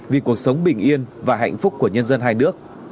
vì cuộc sống bình yên và hạnh phúc của nhân dân hai nước